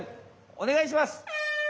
おねがいします！